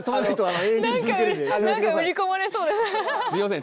すいません。